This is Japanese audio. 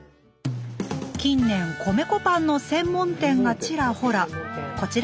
近年米粉パンの専門店がちらほら。